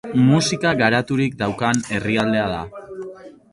Musika garaturik daukan herrialdea da.